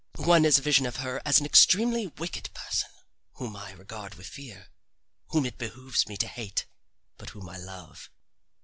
One is a vision of her as an extremely wicked person whom I regard with fear, whom it behooves me to hate, but whom I love.